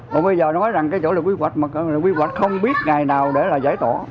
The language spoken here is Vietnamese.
mà bây giờ nói rằng cái chỗ là quy hoạch mà người dân sống không biết ngày nào để là giải tỏa